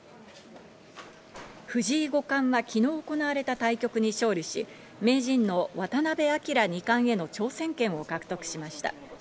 藤井五冠は昨日、行われた対局に勝利し、名人の渡辺明二冠への挑戦権を獲得しました。